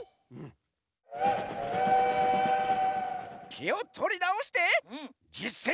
きをとりなおしてじっせん